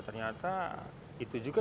ternyata itu juga